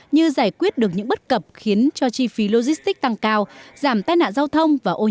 như giải quyết được những bất cập khiến cho chi phí logistics tăng cao giảm tai nạn giao thông và ô nhiễm